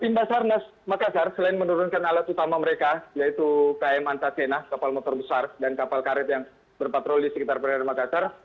tim basarnas makassar selain menurunkan alat utama mereka yaitu km antasena kapal motor besar dan kapal karet yang berpatroli di sekitar perairan makassar